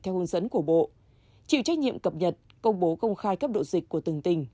theo hướng dẫn của bộ chịu trách nhiệm cập nhật công bố công khai cấp độ dịch của từng tỉnh